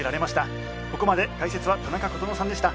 ここまで解説は田中琴乃さんでした。